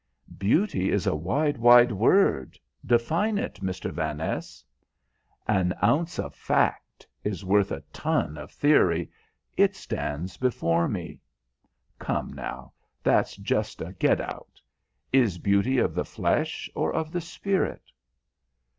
"Beauty is a wide, wide word. Define it, Mr. Vaness." "An ounce of fact is worth a ton of theory: it stands before me." "Come, now, that's just a get out. Is beauty of the flesh or of the spirit?"